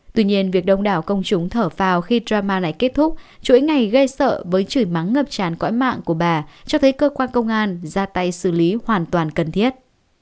tuy nhiên việc đông đảo công chúng thở phào khi drama này kết thúc chuỗi ngày gây sợ với chửi mắng ngập tràn cõi mạng của bà cho thấy cơ quan công an ra tay xử lý hoàn toàn cần thiết